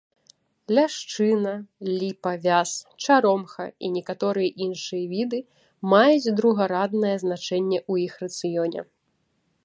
Ляшчына, ліпа, вяз, чаромха і некаторыя іншыя віды маюць другараднае значэнне ў іх рацыёне.